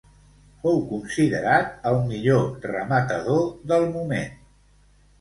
Fou considerat el millor rematador del moment.